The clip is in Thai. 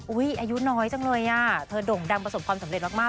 อายุน้อยจังเลยอ่ะเธอโด่งดังประสบความสำเร็จมาก